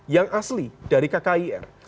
yang asli dari kkir